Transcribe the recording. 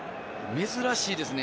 珍しいですね。